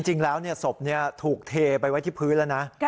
จริงแล้วเนี่ยสบเนี่ยถูกเทไปไว้ที่พื้นแล้วนะ